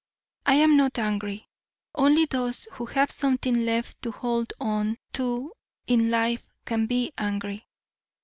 I am not angry. Only those who have something left to hold on to in life can be angry.